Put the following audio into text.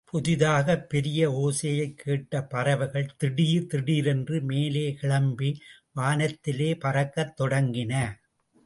புதிதாகப் பெரிய ஓசையைக் கேட்ட பறவைகள் திடீர் திடீரென்று மேலே கிளம்பி வானத்திலே பறக்கத் தொடங்கின.